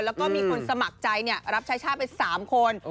แล้วก็มีคนสมัครใจรับใช้ชาติไป๓คน